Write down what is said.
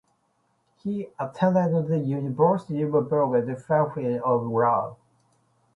He attended the University of Belgrade Faculty of Law.